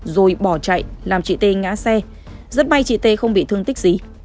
rồi bỏ chạy làm chị t ngã xe rất may chị t không bị thương tích gì